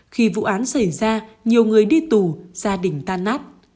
khi vụ án xảy ra nhiều người đi tù gia đình tan nát